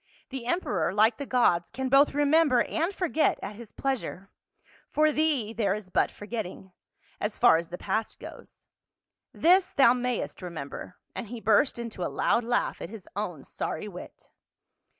" The emperor, like the gods, can both remember and forget at his pleasure ; for thee there is but forgetting — as far as the past goes ; this thou mayest remember," and he burst into a loud laugh at his own sorry wit.